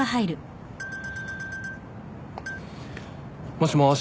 もしもし。